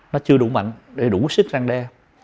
nó chưa đủ mạnh để đủ sức răng đe